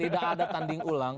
tidak ada tanding ulang